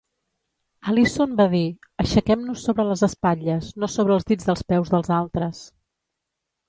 Allison va dir: "Aixequem-nos sobre les espatlles, no sobre els dits dels peus dels altres".